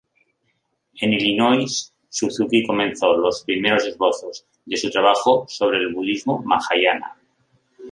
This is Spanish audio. En Illinois, Suzuki comenzó los primeros esbozos de su trabajo sobre el Budismo Mahāyāna.